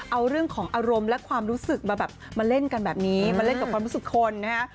เอาเรื่องของอารมณ์และความรู้สึกมาแบบมาเล่นกันแบบนี้มาเล่นกับความรู้สึกคนนะฮะ